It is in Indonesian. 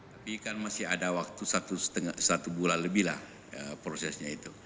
tapi kan masih ada waktu satu bulan lebih lah prosesnya itu